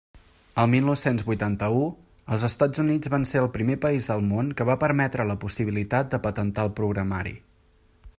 El mil nou-cents vuitanta-u, els Estats Units van ser el primer país del món que va permetre la possibilitat de patentar el programari.